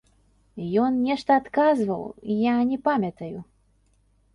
Ён нешта адказваў, я не памятаю.